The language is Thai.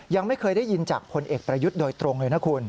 ยังไม่เคยได้ยินจากพลเอกประยุทธ์โดยตรงเลยนะคุณ